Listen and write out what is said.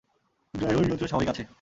গায়রোর নিয়ন্ত্রণ স্বাভাবিক আছে।